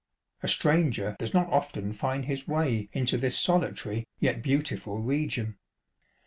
A stranger does not often find his way into this solitary, yet beautiful, region.